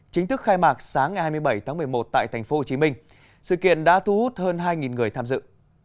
chính thức khai mạc sáng ngày hai mươi bảy tháng một mươi một tại tp hcm sự kiện đã thu hút hơn hai người tham dự